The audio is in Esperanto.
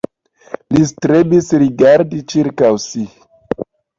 Li strebis rigardi ĉirkaŭ si.